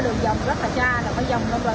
để cắt khóa sập như cho em nghe nhé